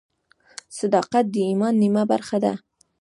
صداقت د ایمان نیمه برخه ده.